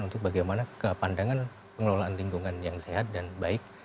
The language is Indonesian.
untuk bagaimana kepandangan pengelolaan lingkungan yang sehat dan baik